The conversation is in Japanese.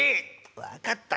「分かったよ